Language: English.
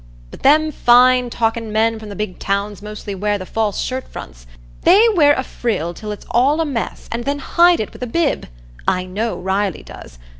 But them fine talking men from the big towns mostly wear the false shirt fronts; they wear a frill till it's all a mess, and then hide it with a bib; I know Riley does.